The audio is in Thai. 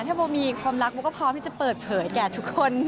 ถ้าโบมีความรักโบก็พร้อมที่จะเปิดเผยแก่ทุกคน